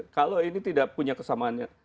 kalau ini tidak punya kesamaannya